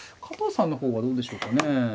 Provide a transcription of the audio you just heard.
加藤さんの方はどうでしょうかね。